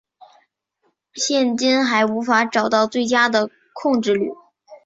现今还无法找到最佳的控制律。